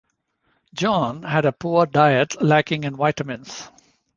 John had a poor diet lacking in vitamins.